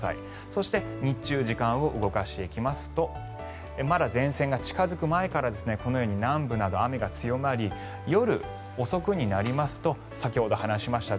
そして、日中時間を動かしていきますとまだ前線が近付く前からこのように南部など雨が強まり夜遅くになりますと先ほど話しました